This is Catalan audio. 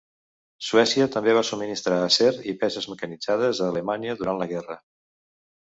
Suècia també va subministrar acer i peces mecanitzades a Alemanya durant la guerra.